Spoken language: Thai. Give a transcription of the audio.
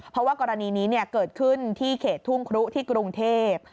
เพราะว่ากรณีนี้เกิดขึ้นที่เขตทุ่งครุที่กรุงเทพ